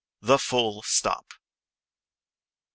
THE FULL STOP I.